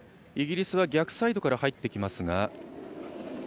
イギリスは逆サイドから入ってきます。